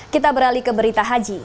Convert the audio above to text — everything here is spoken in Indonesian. kita beralih ke berita haji